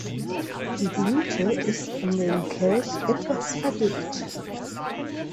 Die Blüte ist um den Kelch etwas verdickt.